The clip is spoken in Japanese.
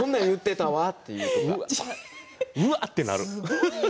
うわあっとなる。